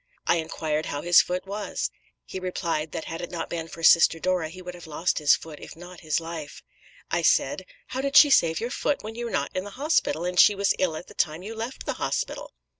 I inquired how his foot was. He replied that had it not been for Sister Dora he would have lost his foot, if not his life. I said, 'How did she save your foot when you were not in the hospital, and she was ill at the time you left the hospital?'